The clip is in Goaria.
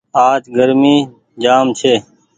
آج گرمي ڪونيٚ ڇي۔